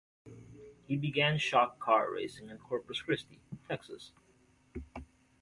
He began stock car racing in Corpus Christi, Texas.